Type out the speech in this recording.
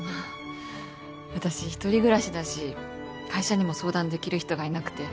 私一人暮らしだし会社にも相談できる人がいなくて。